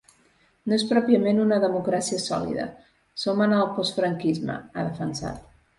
No és pròpiament una democràcia sòlida, som en el postfranquisme, ha defensat.